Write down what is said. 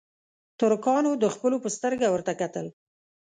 ترکانو د خپلو په سترګه ورته نه کتل.